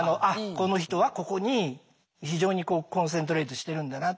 この人はここに非常にコンセントレイトしてるんだなって。